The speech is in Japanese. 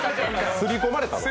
すり込まれたの？